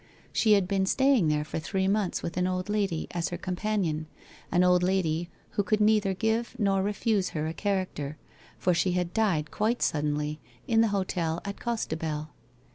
She had been stay ing there for three months with an old lady as her com panion, an old lady who could neither give nor refuse her a character, for she had died quite suddenly in the hotel at Costebelle.